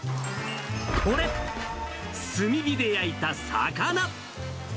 これ、炭火で焼いた魚。